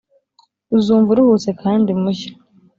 uzumva uruhutse kandi mushya.